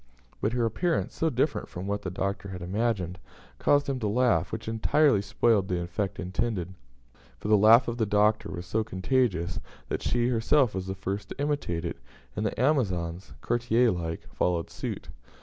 But her appearance so different from what the Doctor had imagined caused him to laugh, which entirely spoiled the effect intended; for the laugh of the Doctor was so contagious, that she herself was the first to imitate it, and the Amazons, courtier like, followed suit.